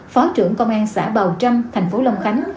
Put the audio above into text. phó trưởng công an xã bào trăm thành phố long khánh